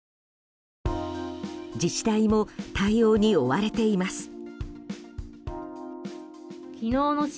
自治体も対応に追われています。